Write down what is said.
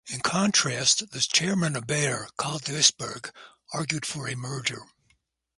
In contrast, the chairman of Bayer, Carl Duisberg, argued for a merger.